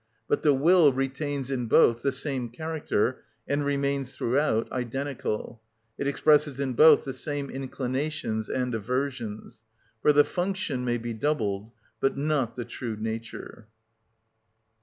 But the will retains in both the same character, and remains throughout identical; it expresses in both the same inclinations and aversions. For the function may be doubled, but not the true nature.